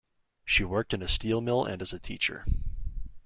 She worked in a steel mill and as a teacher.